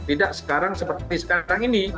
tidak seperti sekarang ini